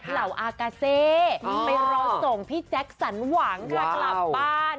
เหล่าอากาเซไปรอส่งพี่แจ็คสันหวังค่ะกลับบ้าน